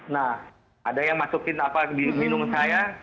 nah ada yang masukin apa di minum saya